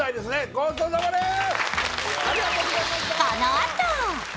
ごちそうさまです！